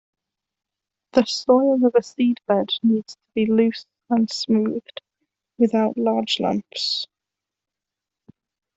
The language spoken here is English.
The soil of a seedbed needs to be loose and smoothed, without large lumps.